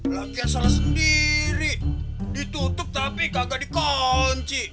lagi sama sendiri ditutup tapi kagak dikunci